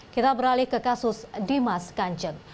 kita beralih ke kasus dimas kanjeng